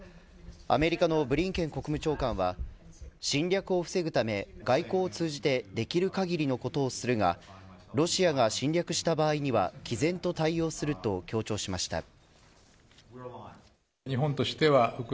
アメリカのブリンケン国務長官は侵略を防ぐため外交を通じてできる限りのことをするがロシアが侵略した場合には毅然と対応すると強調しました。